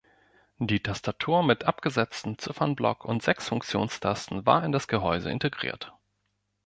Die Tastatur mit abgesetztem Ziffernblock und sechs Funktionstasten war in das Gehäuse integriert.